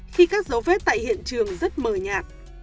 khi các dấu vết tại hiện trường rất mờ nhạt